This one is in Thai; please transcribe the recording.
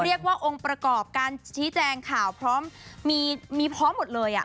เรียกว่าองค์ประกอบการชี้แจงข่าวพร้อมมีพร้อมหมดเลย